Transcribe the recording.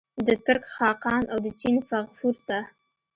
د ترک خاقان او د چین فغفور ته.